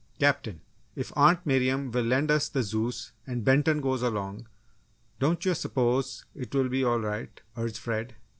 "Captain, if Aunt Miriam will lend us the Zeus and Benton goes along, don't you s'pose it will be all right!" urged Fred.